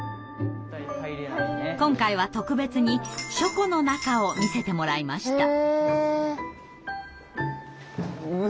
今回は特別に書庫の中を見せてもらいました。